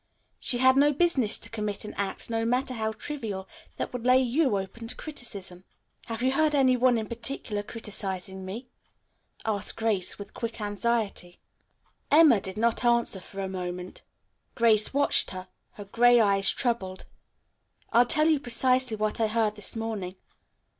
She had no business to commit an act, no matter how trivial, that would lay you open to criticism." "Have you heard any one in particular criticizing me?" asked Grace with quick anxiety. Emma did not answer for a moment. Grace watched her, her gray eyes troubled. "I'll tell you precisely what I heard this morning.